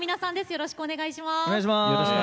よろしくお願いします。